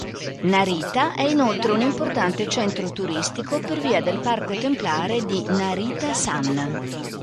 Narita è inoltre un importante centro turistico per via del parco templare di Narita-san.